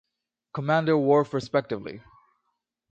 Commander Worf respectively.